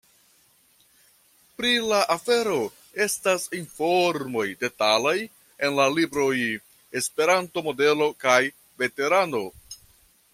Pri la afero estas informoj detalaj en la libroj ‘’Esperanto Modelo’’ kaj ‘’Veterano?’’.